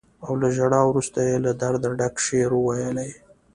او له ژړا وروسته یې له درده ډک شعر وويلې.